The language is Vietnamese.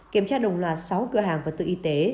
kiểm tra đồng loạt sáu cửa hàng vật tư y tế